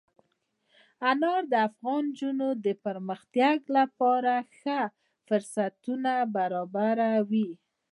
انار د افغان نجونو د پرمختګ لپاره ښه فرصتونه برابروي.